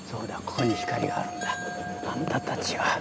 ここに光があるんだあんたたちは。